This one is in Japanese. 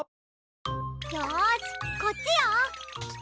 よしこっちよ！